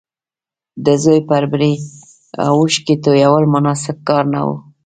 د زوی پر بري اوښکې تويول مناسب کار نه و